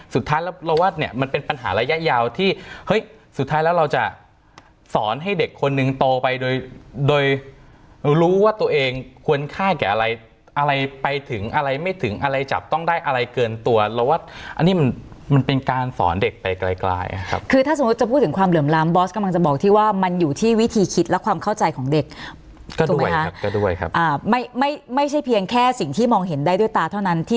สุดท้ายแล้วเราจะสอนให้เด็กคนนึงโตไปโดยรู้ว่าตัวเองควรค่าแก่อะไรไปถึงอะไรไม่ถึงอะไรจับต้องได้อะไรเกินตัวเราว่าอันนี้มันเป็นการสอนเด็กไปกลายครับคือถ้าสมมติจะพูดถึงความเหลื่อมล้ำบอสกำลังจะบอกที่ว่ามันอยู่ที่วิธีคิดและความเข้าใจของเด็กก็ด้วยครับไม่ใช่เพียงแค่สิ่งที่มองเห็นได้ด้วยตาเท่านั้น